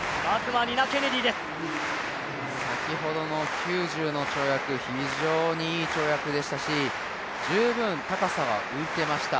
先ほどの９０の跳躍、非常にいい跳躍でしたし、十分高さは浮いていました。